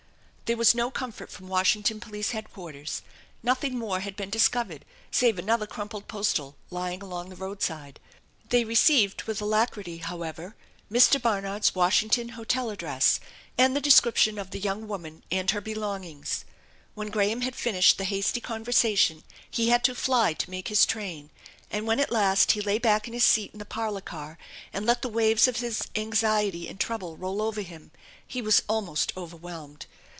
There was no comfort from Washington Police Head quarters. Nothing more had been discovered save another crumpled postal lying along the roadside. They received with alacrity, however, Mr. Barnard's Washington hotel ad THE ENCHANTED BARN 66 drees, and the description of the young woman and her be longings. When Graham had finished the hasty conversation he had to fly to make his train, and when at last he lay back in his seat in the parlor car and let the waves of his anxiety and trouble roll over him he was almost overwhelmed.